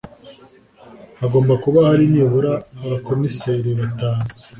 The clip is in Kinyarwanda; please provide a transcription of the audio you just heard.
hagomba kuba hari nibura abakomiseri batanu